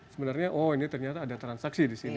sebenarnya oh ini ternyata ada transaksi di sini